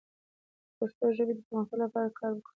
د پښتو ژبې د پرمختګ لپاره کار وکړئ.